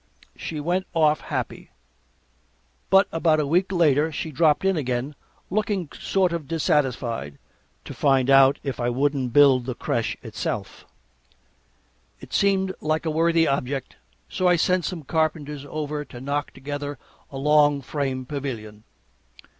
She went off happy, but about a week later she dropped in again, looking sort of dissatisfied, to find out if I wouldn't build the crèche itself. It seemed like a worthy object, so I sent some carpenters over to knock together a long frame pavilion.